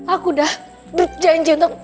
aku udah berjanji untuk